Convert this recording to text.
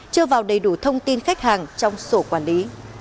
chưa vào đầy đủ thông tin khách hàng trong sổ quản lý